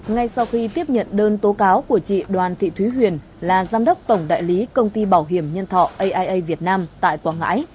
ngay sau khi tiếp nhận đơn tố cáo của chị đoàn thị thúy huyền là giám đốc tổng đại lý công ty bảo hiểm nhân thọ aia việt nam tại quảng ngãi